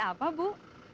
terus kamu bahkan